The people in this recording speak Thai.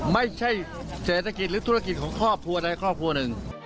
ไม่ใช่เศรษฐกิจหรือธุรกิจของครอบครัวใดครอบครัวหนึ่ง